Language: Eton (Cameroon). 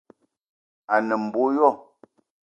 A ne mbo yo